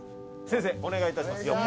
先生お願いいたします。